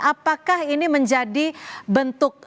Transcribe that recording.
apakah ini menjadi bentuk